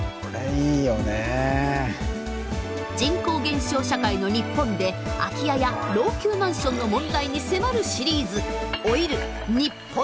人口減少社会の日本で空き家や老朽マンションの問題に迫るシリーズ「老いる日本の“住まい”」。